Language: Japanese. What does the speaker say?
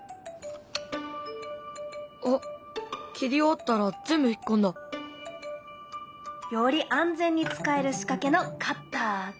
あっ切り終わったら全部引っ込んだ。より安全に使える仕掛けのカッターだよ。